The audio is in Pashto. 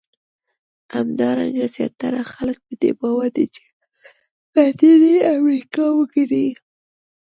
همدارنګه زیاتره خلک په دې باور دي چې لاتیني امریکا وګړي.